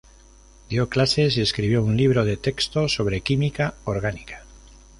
Dio clases y escribió un libro de texto sobre química orgánica.